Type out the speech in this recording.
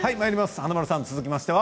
華丸さん続きましては。